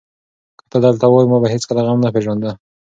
که ته دلته وای، ما به هېڅکله غم نه پېژانده.